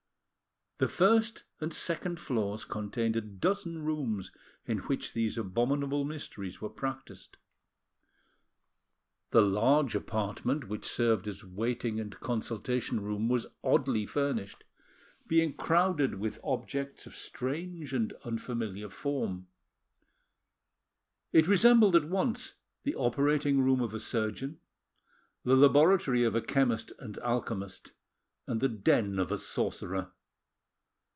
The first and second floors contained a dozen rooms in which these abominable mysteries were practised. The large apartment, which served as waiting and consultation room, was oddly furnished, being crowded with objects of strange and unfamiliar form. It resembled at once the operating room of a surgeon, the laboratory of a chemist and alchemist, and the den of a sorcerer.